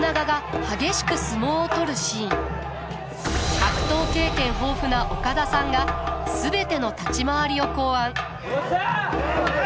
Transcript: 格闘経験豊富な岡田さんが全ての立ち回りを考案。